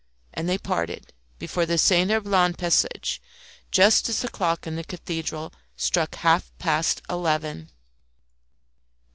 And they parted before the Saint Herbland Passage just as the clock in the cathedral struck half past eleven.